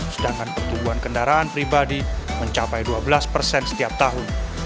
sedangkan pertumbuhan kendaraan pribadi mencapai dua belas persen setiap tahun